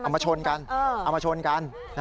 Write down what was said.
มาชนกันเอามาชนกัน